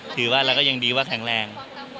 ถือว่าเราก็ยังดีว่าแข็งแรง